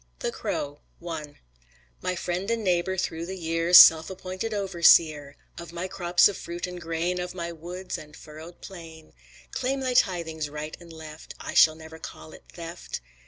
THE CROW I My friend and neighbor through the year, Self appointed overseer Of my crops of fruit and grain, Of my woods and furrowed plain, Claim thy tithings right and left, I shall never call it theft.